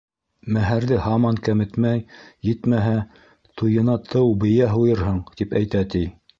Мәһәрҙе һаман кәметмәй, етмәһә, туйына тыу бейә һуйырһың, тип әйтә, ти.